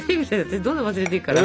どんどん忘れていくから。